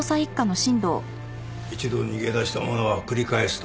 一度逃げ出した者は繰り返すと。